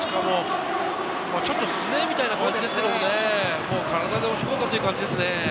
ちょっとすねみたいな感じですけどね、体で押し込んだという感じですね。